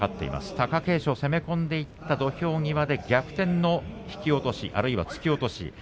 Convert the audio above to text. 貴景勝が攻め込んでいった土俵際で逆転の引き落としそして突き落としです。